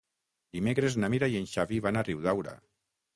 Dimecres na Mira i en Xavi van a Riudaura.